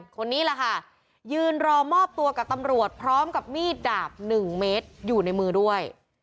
คนนี้แหละค่ะยืนรอมอบตัวกับตำรวจพร้อมกับมีดดาบ๑เมตรอยู่ในมือด้วย